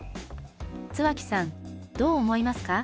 津脇さんどう思いますか？